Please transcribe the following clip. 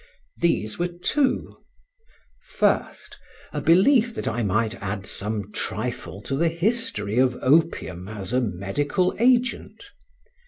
These were two: First, a belief that I might add some trifle to the history of opium as a medical agent.